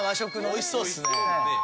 おいしそうですね。